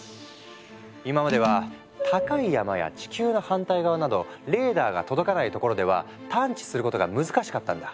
今までは高い山や地球の反対側などレーダーが届かない所では探知することが難しかったんだ。